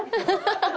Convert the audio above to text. ハハハハ！